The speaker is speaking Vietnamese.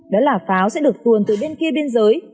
đó là pháo sẽ được tuồn từ bên kia biên giới